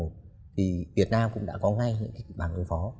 thì việt nam cũng đã có ngay những kịch bản ứng phó